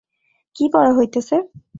কী পড়া হইতেছে।